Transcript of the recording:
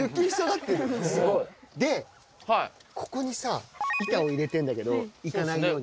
でここにさ板を入れてんだけど行かないようにね。